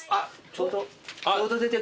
ちょうど出て。